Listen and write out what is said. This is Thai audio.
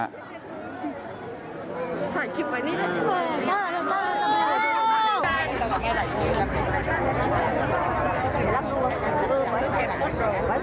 ถ่ายคลิปไว้นี่นาที